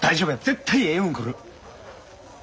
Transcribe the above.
絶対ええ運来る！